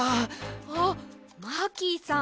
あっマーキーさん